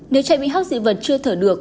nếu trẻ bị hóc dị vật chưa thở được